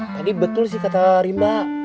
tadi betul sih kata rimba